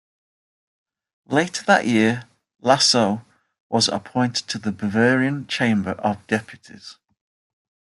Later that year, Lasaulx was appointed to the Bavarian Chamber of Deptuties.